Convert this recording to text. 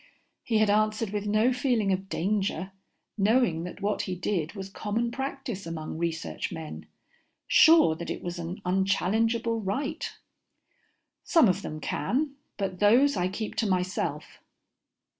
He had answered with no feeling of danger, knowing that what he did was common practice among research men, sure that it was an unchallengeable right. "Some of them can, but those I keep to myself."